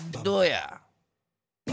どうや？